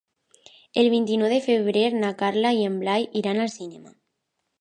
El vint-i-nou de febrer na Carla i en Blai iran al cinema.